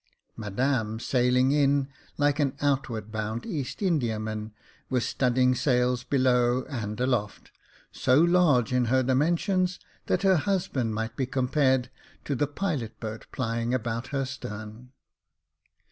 Madame sailing in like an outward bound East Indiaman, with studding sails below and aloft ; so large in her dimensions, that her husband might be compared to the pilot boat plying about her stern.